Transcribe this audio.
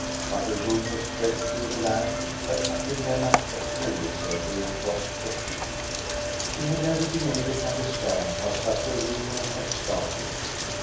But a rumor spread through the land that Captain Lennart at Helgesater was the thief. She had never been able to understand how such a rumor had started.